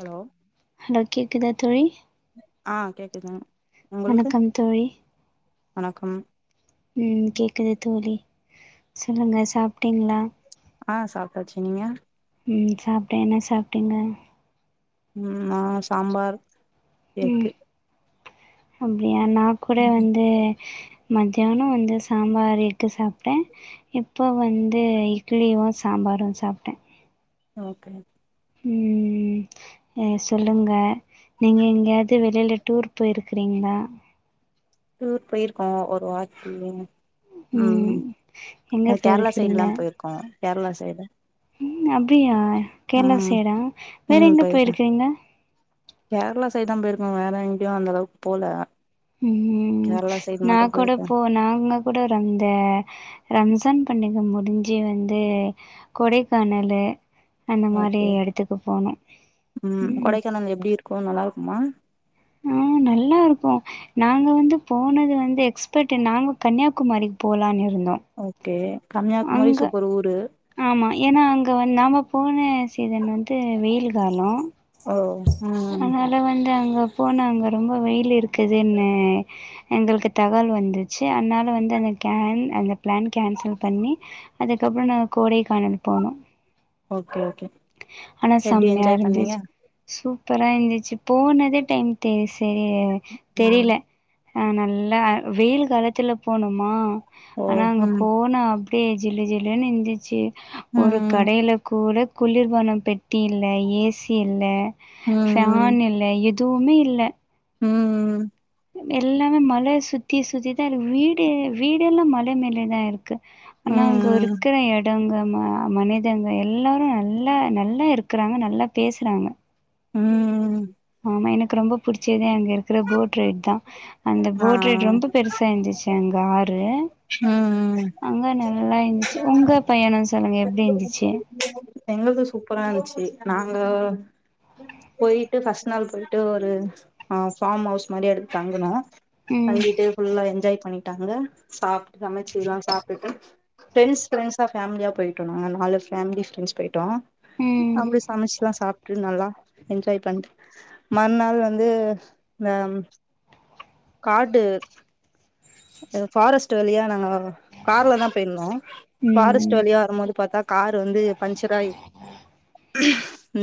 hello hello கேக்குதா தோழி ஆ கேக்குதுங் உங்களுக்கு வணக்கம் தோழி வணக்கம் ம் கேக்குது தோழி சொல்லுங்க சாப்டீங்ளா ஆ சாப்ட்டாச்சு நீங்க ம் சாப்ட்டே என்ன சாப்ட்டீங்க ம் நா சாம்பார் ம் எக்கு அப்டியா நா கூட வந்து மத்யானோ வந்து சாம்பார் எக்கு சாப்ட்டே இப்ப வந்து இட்லியு சாம்பாரு சாப்ட்டே ஓகே ம் ஆ சொல்லுங்க நீங்க எங்கேயாது வெளில டூர் போயிருக்கிருங்ளா டூர் போயிருக்கோ ஒரு வாட்டிங்க ம் எங்க அது கேர்ளா போயிருக்கிறீங்க சைடுல்லா போயிருக்கோ கேர்ளா சைடு ம் அப்டியா கேர்ளா ம் சைடா வேற எங்க போயிருக்கிங்க கேர்ளா சைட் தா போயிருக்கோ வேற எங்கயோ அந்த அளவுக் போல ம் கேரளா சைடு நா மட்டு போயிருக்கே கூடப்போ நாங்க கூடரந்த ரம்ஜான் பண்டிக முடிஞ்சு வந்து கொடைக்கானலு அந்த மாறி ஓகே எடத்துக்கு போனோ ம் [unintelligible] எப்டி இருக் கு நல்லா இருக்குமா ம் நல்லா இருக்கு நாங்க வந்து போனது வந்து எக்ஸ்பர்ட் நாங்க கன்னியாகுமாரிக்கு போலானு இருந்தோ ஓகே கன்னியாகுமாரி சூப்பர் ஊரு ஆமா ஏன்னா அங்க வந் நாம போன சீசன் வந்து வெயில் காலோ ஓ ம் அதுல வந்து அங்க போன அங்க ரொம்ப வெயில் இருக்குதுனு எங்களுக்கு தகவல் வந்துச்சு அதனால வந்து அந்த கேன் அந்த பிளான் கேன்சல் பண்ணி அதுக்கப்றோ நாங்க கோடைக்கானல் போனோ ஓகே ஓகே ஆனா எப்டி செம்மையா என்ஜாய் இருந்துச் பண்ணீங்க சூப்பரா இருந்துச்சு போனதே டைம் தெரி செரி ம் தெரியல ஆ நல்லா வெயில் காலத்துல போனோமா ஓ ஆனா அங்க ம் போனா அப் டியே ஜிலு ஜிலுன்னு இந்துச்சு ஒரு ம் கடைல கூட குளிர்பான பெட்டி இல்ல ஏசி இல்ல ம் ம் ஃபேன் இல் ல எதுவுமே இல்ல ம் ம் எல்லாமே மல சுத்தி சுத்திதா இருக்கு வீடு வீடு எல்லா மல மேலதா இருக்கு ஆனா அங்கோ ம் இருக்கிற எ டங்க ம மனிதங்க எல்லாரு நல்லா நல்லா இருக்கிறாங்க நல்லா பேசுறாங்க ம் ஆமா எனக்கு ரொம்ப பிடிச்சதே அங்க இருக்கிற போட் ரைட் தா அந்த போட் ரைட் ரொம்ப பெருசா இருந்துச்சு எங்க ஆரு ம் ம் அங்க நல்லா இந்துச்சு ஒங்க பயணோ சொல்லுங்க எப்டி இந்துச்சு எங்கள்து சூப்பரா இருந்துச்சு நாங்க போயிட்டு ஃபஸ்ட் நாள் போயிட்டு ஒரு ஆ ஃபாம் ஹவுஸ் மாரி எடுத்து தங்குனோ ம் தங்கிட்டு ஃபுல்லா என்ஜாய் பண்ணிட்டாங்க சாப்ட்டு சமச்சுல்லா சாப்டுட்டு பிரண்ட்ஸ் பிரண்ட்ஸா ஃபேம்லியா போயிட்டோ நாங்க நாலு ஃபேமிலி ஃப்ரண்ட்ஸ் போயிட்டோ ம் அப்டி சமச்சுல்லா சாப் ட்டு நல்லா எஜ்ஜாய் பண்ட்டு மறுநாள் வந்து இந்த கார்டு ஃபாரஸ்ட் வழியா நாங்க கார்ல தா போயிருந்தோ ஃபாரஸ்ட் ம் ட்டுவழியா வரும்போது பாத்தா கார் வந்து பஞ்சராய்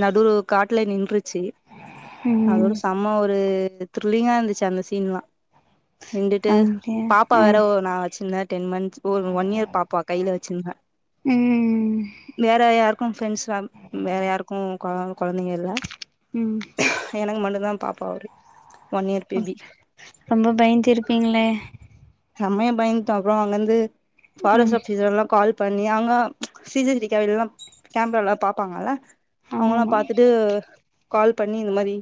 நடுவுல ஒரு காட்டுல நின்றுச்சு அதோட ம் சா சும்மா ஒரு த்ரில்லிங்கா இருந்துச்சு அந்த சீன்லா நின்டுட்டு அப்டியா பாப்பா ஆ வேற நா வச்சிர்ந்தே டென் மந்த்ஸ் ஒரு ஒன் இயர் பாப்பா கைல வச்சிர்ந்த ம் வேற யாருக்கு ஃப்ரெண்ட்ஸ்லா வேற யாருக்கு கொ கொழந்தைங்க ல்ல ம் எனக்கு மட்டுந்தா பாப்பா அவரு ஒன் இயர் பேபி ரொம்ப பயந்துருப்பீங்களே செமய பயந்ட்டோ அப்புற அங்கந்து ஃபாரஸ்ட் ம் ஆபீசர் எல்லா கால் பண்ணி அங்க சிசி சிட்டி கேவலாம் கேம்ரா ல்லா பாப்பாங்கல்ல ஆமா அவங்கலா ஆமா பாத்துட்டு கால் பண்ணி இந்த மாரி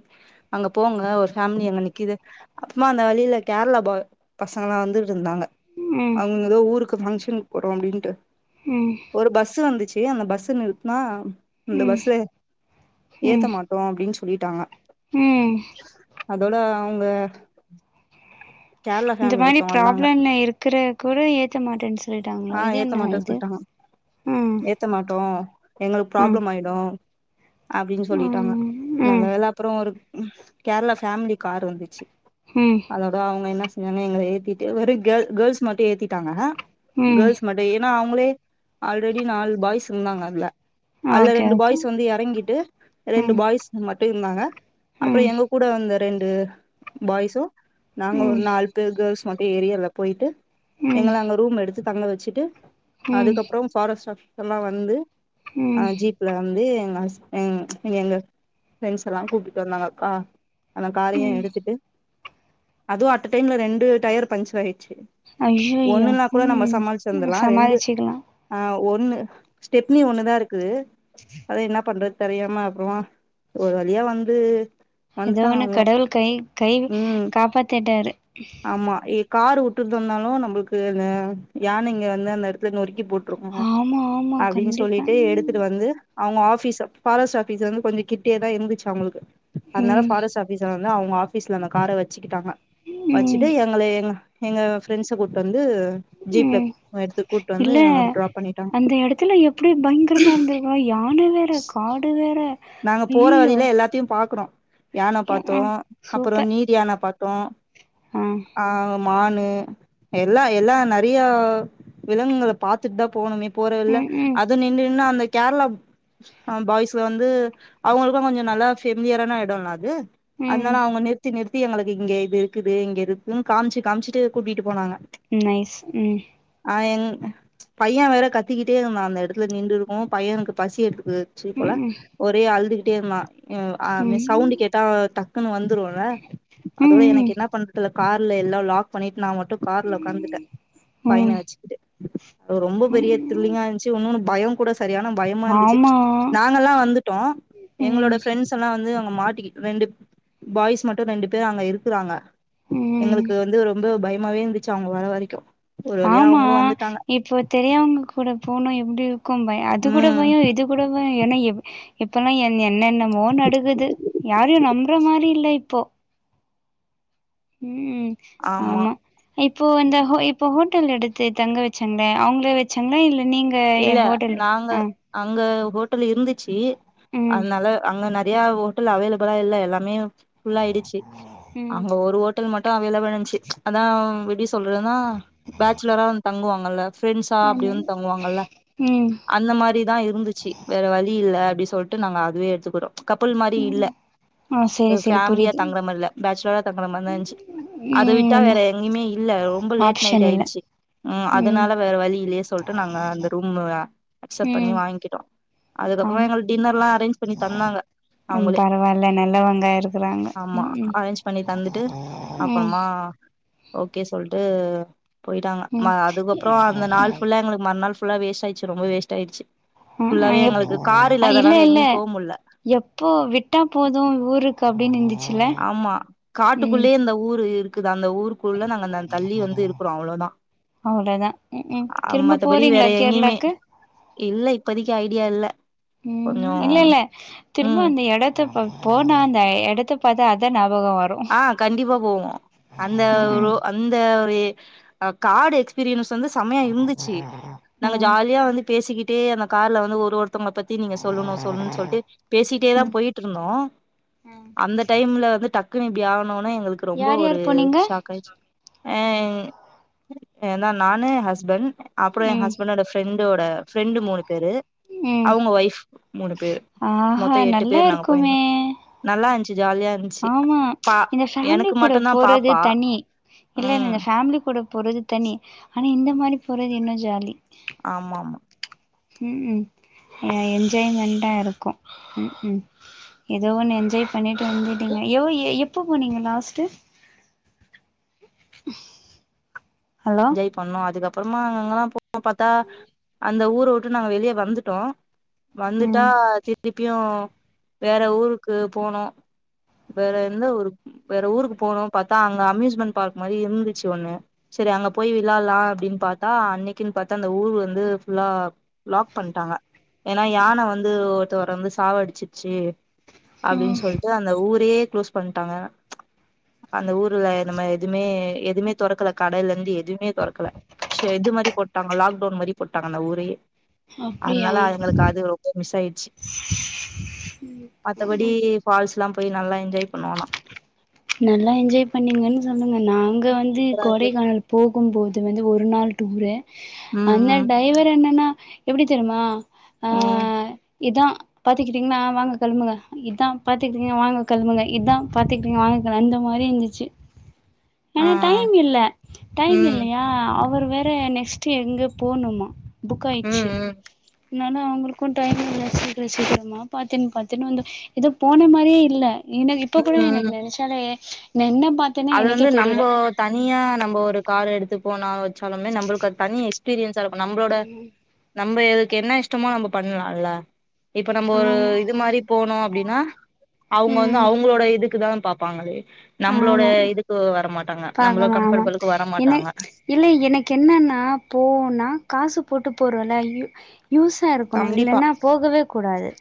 அங்க போங்க ஒரு ஃபேமிலி அங்க நிக்குது அப்புமா அந்த வழில கேரளா பா பசங்கலா வந்து ட்டு இருந்தாங்க ம் அவங்க ஏதோ ஊருக்கு பங்கஷன் போறோ அப்டின்ட்டு ம் ஒரு பஸ் வந்துச்சு அந்த பஸ்ஸ நிறுத்துனா அந்த ம் பஸ்ல ஏத்த ம் மாட் டோ அப்டின்னு சொல்லிட்டாங்க ம் அதோட அவங்க கேர்ளா இந்த ஃபேமிலியோட் மாரி ப்ராப்ளம்ல இருக்குற கூட ஏத்த மாட்டேன்னு சொல்லிட்டாங்களா ஆ இது என்ன இது ம் த்த மாட்டோ எங்களுக்கு ம் ப்ராப்ளம் ஆயிடு அப்டின்னு சொல்லிட்டாங்க ம் நல்ல ம் வேல அப்புறொ ஒரு கேரளா ஃபேமிலி கார் வந்துச்சு ம் அதோட அவங்க என்ன செஞ்சாங்க எங்கள ஏத்திட்டு வெறு கேள் கேள்ஸ் மட்டு ஏத்திட்டாங்க ம் கேள்ஸ் மட்டு மெய்னா அவங்களே ஆல்ரெடி நால் பாய்ஸ் இருந்தாங்க அதுல அல்ல ஓகே ரெண்டு ஓகே பாய்ஸ் வந்து எறங்கிட்டு ரெண்டு ம் பாய்ஸ் மட்டு இருந்தாங்க அப்பற ம் எங்க கூட வந்த ரெண்டு பாய்ஸு நாங்க ஒரு ம் நாலு பேர் கேள்ஸ் மட்டு ஏரி அதுல போயிட்டு ம் எங்கள அங்க ரூம் எடுத்து தங்க வச்சுட்டு ம் ம் அதுக்கப்றம் ஃபாரஸ்ட் ஆபீஸலா வந்து அ ம் ஜீப் ல வந்து எங்க அஸ் எங் எங்க ஃபிரெண்ட்ஸ்ஸெலா கூப்டுட்டு வந்தாங்க க்கா அந்த காரையு எடுத்துட்டு அதுவு அட்ட டைம்ல ரெண்டு டயர் பஞ்சர் ஆயிச்சு ஐய்யய்யோ ஒண்ணுன்னா கூட நம்ம ம் சமாளிச்சிர்ந்திர்லா ரெண்டு சமாளிச்சுக்கலா ஆ ஒண்ணு ஸ்டெப்னி ஒண்ணுதா ருக்குது [inaudible] அத என்னா பண்றது தெரியாம அப்புறமா ஒரு வழியா வந்து ஏதோ வந்துட்டாங்க ஒன்னு அவங்களு கடவுள் கை கை காப்பாத்திட்டாரு ம்மா இ கார் வுட்டுட்டு வந்தாலு நம்புளுக்கு ந யானைங்க வந்து அந்த எடத்த நொறுக்கி போட் [unintelligible] ஆமா ஆமா அப்டின் கண்டிப்பா சொல்லிட்டு எடுத்துட்டு வந்து அவுங்க ஆஃபீஸ்ச ஃபாரஸ்ட் ஆஃபீஸ் வந்து கொஞ்சோ கிட்டயேதா இருந்துச்சு அவுங்களுக்கு அதனால ம் ஃபாரஸ்ட் ஆ ஃபீஸ வந்து அவுங்க ஆபீஸ்ல பார்த்துக்கொண்டு அந்த கார வெச்சுக்கிட்டாங்க ம் வெச்சுட்டு எங்களய எங்க எங்க ஃப்ரெண்ஸ கூட்வந்து ஜீப்ல ம் எடத்துக் கூட்வந்து இல்ல அங்க டராப் பண் அந்த எடத்துல எப்டி பயங்கரமா இருந்தேனா யான வேற காடு வேற நாங்க போற ஐயயோ வழியில எல்லாத்தையு பாக்குறோ யான பாத்தோ ஆ அப்பறோ சூப்பர் நீர் யான பாத் த்தோ ஆ ம் மானு எல்லா எல்லா நெறைய விலங்குங்கள பாத்துட் தா போனமே போற வெல்ல ம் ம் அது நின்னு நின்னு அந்த கேரளா அ பாய்ஸ வந்து அவுங்குளுக்கு கொஞ்சோ நல்லா பெமிலியரான எடோல்ல அது அதனால ம் அவுங்க நிறுத்தி நிறுத் த்தி எங்களுக்கு இங்க இது இருக்குது இங்க இருக்குன் காம்ச்சு காம்ச்சுட்டு கூட்டிட்டு போனாங்க நைஸ் ம் ஆ எங் பைய வேற கத்திக்கிட்டே இருந்தா அந்த எடத்துல நிண்டு இருக்கோ பையனுக்கு பசி எடுக்குது பசிபோல ம் ம் ஒரே அழுதுகிட்டே இருந்தா ம் ஆ மி சவுண்டு கே ட்டா டக்குன்னு வந்துருல ம் அதோட எனக்கு ம் என்னா பண்றது கார்ல எல்லா லாக் பண்ணிட்டு நா மட்டு த கார்ல உட்காந்துட்டே பையன ம் வெச்சுக்கிட்டு அது ரொம்ப பெரிய ம் திரில்லிங்கா இருந்துச்சு வுண்ணுனு பயோங் கூட செரியான பயமா இருந்துச்சு ஆமா நாங்கல்லா வந்துட்டோ எங்களோட ம் ப்ரெண்ட் ஃப்ரெண்ட்ஸ் எல்லா வந்து அவங்க மாட்டிக்கிட் ரெண்டு பாய்ஸ் மட்டு ரெண்டு பேர் அங்க இருக்குறாங்க ம் எங்களுக்கு வந்து ரொம்ப பயமாவே இருந்துச்சு அவங்க வர வரைக்கு ஒரு வழியா ஆமா அவங்களு வந்துட்டாங்க இப்போ தெரியாதவங்க கூட போன எப்டி இருக்கு பயோ அது கூட ம் பயோ இது கூட பயோ என்ன எப் இப்பல்லா என் என்னென்னமோ நடக்குது யாரையு நம்பற மாரி இல்ல இப்போ ம் ஆமா இப்போ இந்த ஹோ இப்போ ஹோட்டல் எடுத்து தங்க வச்சாங்களே அவங்களே வச்சாங்களா இல்ல நீங் எ ஏ இல்ல ஹோட்டல் நாங்க அ அங்க ஹோட்டல் இருந்துச்சு ம் அத்னால அங்க நறையா ஹோட்டல் அவைலபிளா இல்ல எல்லாமே ஃபுல் ஆயிடுச்சு ம் அங்க ஒரு ஹாட் ட்டல் மட்டு அவைலபில்ருஞ்சு அதா எப்டி சொல்றதுனா பேச்சுலரா வந்து தங்குவாங்கல்ல ஃப்ரெண்ட்ஸா அப்டி ஆமா வந்து தங்குவாங்கல்ல ம் அந்த மாரி தா இருந்துச்சு வேற வலி இல்ல அப்டி சொலட்டு நாங்க அதுவே எடுத்துக்குடோ ச் கப்புல் மாரி இல்ல ம் ஆ செரி செரி ஃபேமிலியா புரியுது தங்குற மாரில்ல பேச்சுலரா தங்குற மாரிதா இருந்ச்சு ம் அதவிட்டா என்ன வேற எங்கயுமே இல்ல ரொம்ப லேட் நைட் ஆப்ஷன் இல்ல ஆயிடுச்சு ம் அதனால வேற வலி இல்லயே சொல்ட்டு நாங்க அந்த ரூம் அக்சப்ட் பண்ணி ம் வாங்க்கிட்டோ அதுக்கப்புறோ ஆமா எங்கள்க்கு டின்னர் லா அரேஞ் பண்ணி தந்தாங்க ம் அவங்களே பரவால நல்லவங்க இருக்கறாங்க ம்ம் அப்பறமா ஓகே சொல்ட்டு போயிட்டாங்க மா ம் அதுக்கப்புறோ அந்த நாள் ஃபுல்லா எங்களுக்கு மறுநாள் ஃபு ஃபுல்லா வேஸ்ட் ஆயிச்சு ரொம்பவே வேஸ்ட் ஆயிடுச்சு ஆ ஆ ஃபுல்லாவே எப் எங்களுக்கு கார் அ இல்ல இல்லாதனால இல்ல எங்கயு போமுல்ல எப்போ விட்டா போது ஊருக் கு அப்டின்னு இருந்துச்சில ஆமா காட்டுக்குள்ளயே இந்த ஊரு இருக்குது அந்த ஊருக்குள்ள நாங்க அந் தள்ளி வந்து இருக்றோ அவ்ளோதா அவ்ளோதா உ உக் அ திரும்ப மத்தபடி போறீங்களா வேற எங்கேயுமே கேர்ளாக்கு இல்ல இப்பதைக்கு ஐடியா இல்ல கொஞ்சோ உம் இல்ல இல்ல திரும்ப ம் அந்த எடத் து பாக் போனா அந்த எடத்த பாத்தா அதா ஞாபக வரு ஆ கண்டிப்பா போவோ அந்த ம் ஒரோ அந்த ஒரு காடு எஸ்பீரியன்ஸ் வந்து சமையா இருந்துச்சு நாங்க ம் ஜாலியா வந்து பேசிக்கிட்டே அந்த கார்ல வந்து ஒரு ஒருத் தவங்க பத்தி நீங்க சொல்லணு சொல்லணு சொல்லிட்டு பேசிட்டே தா ம் போயிட்டு இருந்தோ அந்த டைம்ல வந்து டக்கு இப்டி ஆனோனா எங்களுக்கு ரொம்ப யார் ஒரு யார் போனீங்க ஷாக் ஆயிட்ச்சு ஏ ஏனா நானு ஹஸ்பண் அப்பறோ ஏ ம் ஹஸ்பண்டோட ஃப்ரெண்டோட ஃப்ரெண்டு மூணு பேரு ம் அவ்ங்க ஒயஃப் மூணு பேரு ஆஹா மொத்தோ எட்டு நல்லா பேர் நாங்க இருக்குமே போயிருந்தோ நல்லா இந்துச்சு ஜாலியா இருந்ச்சு ஆமா இந்த ஃபேமிலி கூட போறது தனி ம் இல்லனூங்க ஃபேமிலி கூட போறது தனி ஆனா இந்த மாரி போறது இன்னோ ஜாலி ஆமா ஆமா உ உம் என்ஜாய்மெண்ட்டா இருக்கு உ உம் ஏதோ ஒன்னு என்ஜாய் பண்ணிவிட்டு வந்துட்டீங்க வோய் எப்போ போனீங்க லாஸ்ட்டு [inaudible] ஹலோ என்ஜாய் பண்ணோ அதுக்கப்புறமா அங்கங்க எல்லா போ பாத்தா அந்த ஊர விட்டு நாங்க வெளிய வந்துட்டோ வந்துட்டா ம் திர்திருப்பியு வேற ஊருக்கு போனோ வேற எந்த ஊர்க் வேற ஊருக்கு போனோ பாத்தா அங்க அம்யூஸ்மெண்ட் பார்க் மாரி இருந்துச்சு ஒண்ணு செரி அங்க போய் விளாலா அப்டின்னு பாத்தா அன்னைக்குன்னு பாத்தா அந்த ஊர் வந்து ஃபுல்லா லாக் பண்ணிட்டாங்க ஏன்னா யான வந்து ஒருத்தவர வந்து சாவ அடிச்சிருச்சு ம் அப்டின்னு சொல்லிட்டு அந்த ஊரே குளோஸ் பண்டாங்க அந்த ஊர்ல நம்ம எதுவுமே எதுவுமே தோறக்கல கடலந்து எதுவுமே தொறக்கல ஷேட்டு மாரி போட்டாங்க லாக்டவுன் மாரி போட்டாங்க அந்த ஊரையே அப்டியா அன்னாலா அதுங்களுக்கு அது ரொம்ப மிஸ் ஆயிடுச்சு மத்தபடி ஃபால்ஸ்ல்லா போய் நல்லா என்ஜாய் பண்ணோ ஆனா நல்லா என்ஜாய் பண்ணீங்கன்னு சொல்லுங்க நாங்க வந்து கொடைக்கானல் போகும்போது வந்து ஒரு நாள் டிர்ப்பு ம் அண்ண ம் டைவர் அண்ணனா எப்டி தெர்மா உம் இதா பாத்துக்கிட்டீங்கன்னா வாங்க கெழமுங்க இதா பாத்துக்கிட்டீங்க வாங்க கெழமுங்க இதா பாத்துக்கிட்டீங்க வாங்க ங்கள் அந்த மாரி இந்துச்சு ஆ ஏனா டைம் இல்ல டைம் ம் இல்லையா அவர் வேற நெக்ஸ்ட் எங்க போணும்மா புக் ம் ஆய்ட்ச்சு ம் இன்னாலு அவ்ங்களுக்கு டைம் [inaudible] சிக்கன்மா பாத்துன்னு பாத்துன்னு வந்தோ எதோ போன மாரியே இல்ல எனக்கு இப்ப ம் கூட எனக்கு ம் நென்ச்சாலே நா என்ன பா அது வந்து நம்மோ தனியா நம்ம ஒரு கார் எடுத்து போனா வச்சாலுமே நம்மளுக்கு அது தனி எஸ் பீரியன்ஸா இருக்கு நம்மளோட நம்ம எதுக்கு என்ன இஷ்டமோ நம்ம பண்ணலான்ல்ல இப்ப நம்ம ஒரு இது மாரி போனோ அப்டின்னா அவ்ங்க வந்து ம் அவங்களோட இதுக் கு தா பாப்பாங்களே நம்மளோட ஆமா இதுக்கு வர மாட்டாங்க நம்மள பாக்கமா ஆமா கம்பல்லுக்கு வர என்ன மாட்டாங்க இல்ல எனக்கு என்னன்னா போனா காசு போட்டு போறோல்ல யூஸ் லா இருக்கணு கண்டிப்பா இல்லைன்னா போகவே கூடாது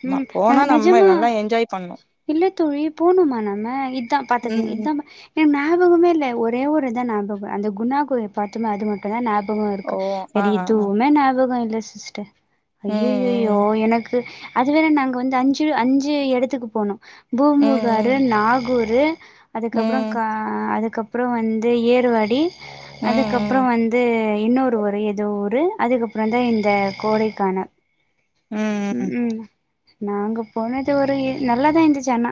ஆமா ம் போனா நா நம்ம நெஜமா நல்லா என்ஜாய் பண்ணு இல்ல தோழி போணுமா நம்ம இதா தோழி ம் இதா மா எ ஞாபகமே இல்ல ஒரே ஒரு இதா ஞாபக அந்த குணா கூட பா தும அது மட்டு தா ஞாபகொ ஓ இருக்கு ஆ வேற ஆ ஆ எதுவுமே ஞாபக இல்ல சிஸ்டர் ஐயயயோ ம் எனக்கு அது வேற நாங்க வந்து அஞ்சு அஞ்சு எடத்துக்கு போனோ ம் பூமுகாரு ம் நாகூரு அதுக்கப்புறோ ம் கா அ அதுக்கப்புறோ வந்து ஏர்வாடி ம் ம் அதுக்கப்புறோ ம் வந்து இன்னொரு ஊரு எதோ ஊரு அதுக்கப்புறோ தா இந்த கோடைக்கான ம் ம் நாங்க போனது ஒரு எ நல்லாதா இருந்துச்சு ஆனா